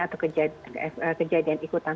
atau kejadian ikutan